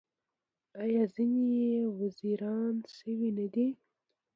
آیا ځینې یې وزیران شوي نه دي؟